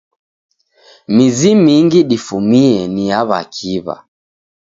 Mizi mingi difumie ni ya w'akiw'a.